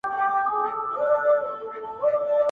څومره چي تیاره وي څراغ ښه ډېره رڼا کوي,